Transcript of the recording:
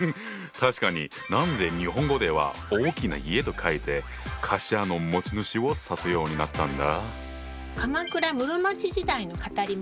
確かに何で日本語では「大きな家」と書いて「貸家の持ち主」を指すようになったんだ？